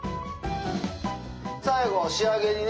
最後仕上げにね。